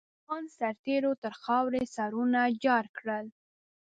افغان سرتېرو تر خاروې سرونه جار کړل.